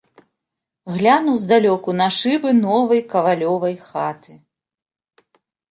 Глянуў здалёку на шыбы новай кавалёвай хаты.